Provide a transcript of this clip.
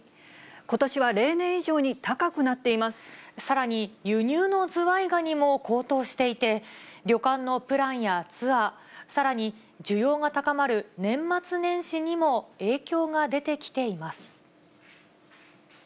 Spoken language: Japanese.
ことしは例年以上に高くなっていさらに、輸入のズワイガニも高騰していて、旅館のプランやツアー、さらに需要が高まる年末年始にも影響が出てきています。